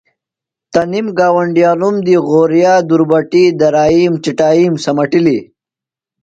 تنِم گاونڈیانوم دی غورِیہ، دُربٹیۡ درائِیم، چٹائِیم سمٹِلم۔